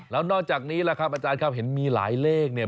แล้วนอกจากนี้แหละครับอาจารย์ครับเห็นมีหลายเลขเนี่ย